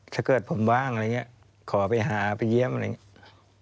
ถ้าเกิดผมว่างอะไรอย่างนี้ขอไปหาไปเยี่ยมอะไรอย่างนี้